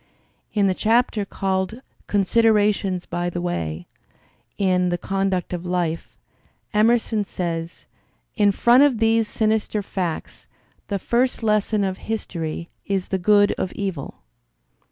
In the chapter called "Considerations by the Way" in "The Conduct of Life," Emerson says: "In front of these sinister facts, the first lesson of history is the good of evil."